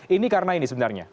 ini karena ini sebenarnya